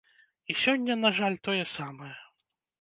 І сёння, на жаль, тое самае.